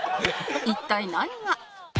一体何が？